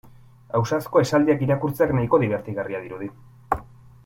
Ausazko esaldiak irakurtzea nahiko dibertigarria dirudi.